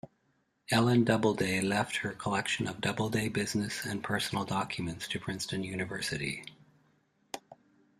Ellen Doubleday left her collection of Doubleday business and personal documents to Princeton University.